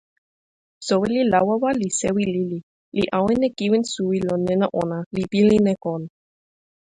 soweli Lawawa li sewi lili, li awen e kiwen suwi lon nena ona, li pilin e kon.